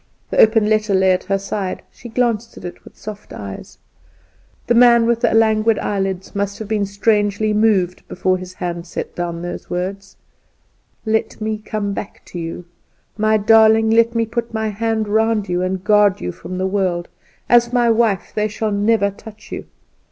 The open letter lay at her side; she glanced at it with soft eyes. The man with the languid eyelids must have been strangely moved before his hand set down those words: "Let me come back to you! My darling, let me put my hand round you, and guard you from all the world. As my wife they shall never touch you.